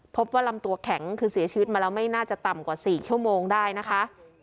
พบว่าลำตัวแข็งคือเสียชีวิตมาแล้วไม่น่าจะต่ำกว่า๔ชั่วโมงได้นะคะ